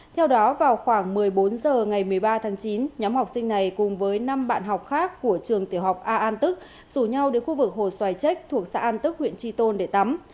theo đó vào khoảng một mươi bốn h ngày một mươi ba tháng chín nhóm học sinh này cùng với năm bạn học khác của trường tiểu học a an tức rủ nhau đến khu vực hồ xoài trách thuộc xã an tức huyện tri tôn để tắm